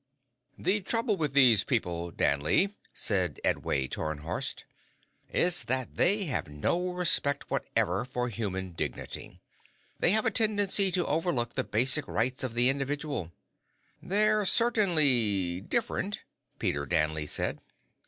"The trouble with these people, Danley," said Edway Tarnhorst, "is that they have no respect whatever for human dignity. They have a tendency to overlook the basic rights of the individual." "They're certainly different," Peter Danley said.